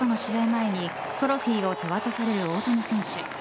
前にトロフィーを手渡される大谷選手。